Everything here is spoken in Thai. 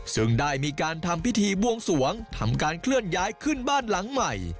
ซึ่งได้มีการทำพิธีบวงสวงทำการเคลื่อนย้ายขึ้นบ้านหลังใหม่